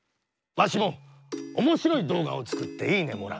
わしもおもしろいどうがをつくって「いいね」もらう。